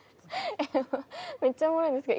めっちゃおもろいんですけど。